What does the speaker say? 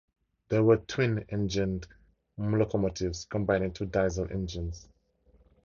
They were twin-engined locomotives, combining two diesel engines.